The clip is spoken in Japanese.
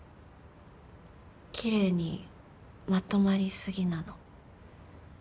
奇麗にまとまり過ぎなの。